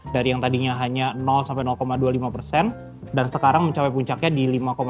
dari yang tadinya hanya dua puluh lima dan sekarang mencapai puncaknya di lima dua puluh lima lima lima